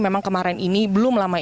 memang kemarin ini belum lama